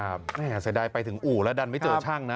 แม่เสียดายไปถึงอู่แล้วดันไม่เจอช่างนะ